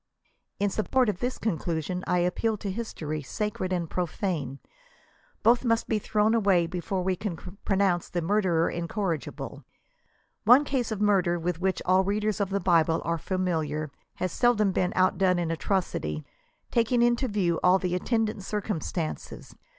In support of this conclusion I appeal to history, sacred and profane. Both must be thrown away before we can pronounce the murderer incorrigible. One case of murder with which all readers of the Bible are familiar, has seldom been outdone in atrocity— taking into view all the attendant circumstances.